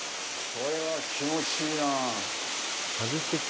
これは気持ちいいなあ。